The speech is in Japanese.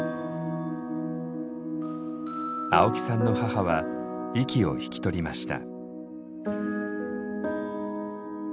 青木さんの母は息を引き取りました。